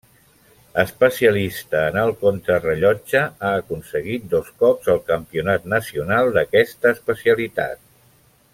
Especialista en el contrarellotge, ha aconseguit dos cops el campionat nacional d'aquesta especialitat.